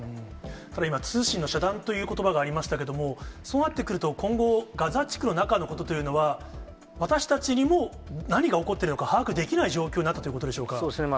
ただ今、通信の遮断ということばがありましたが、そうなってくると、今後、ガザ地区の中のことというのは、私たちにも何が起こってるのか把握できない状況になったというこそうですね。